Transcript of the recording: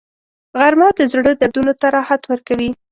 غرمه د زړه دردونو ته راحت ورکوي